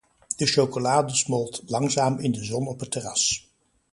De chocolade smolt langzaam in de zon op het terras.